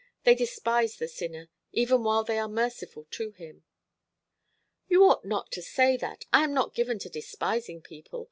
They despise the sinner, even while they are merciful to him." "You ought not to say that. I am not given to despising people.